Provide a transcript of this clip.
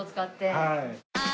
はい。